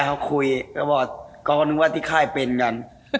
เขาคุยก็ว่าที่ค่ายเป็นกัน